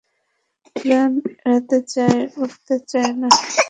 Plane ওড়াতে চাই, ওঠাতে চাই না।